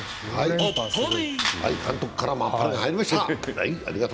監督からもあっぱれ入りました！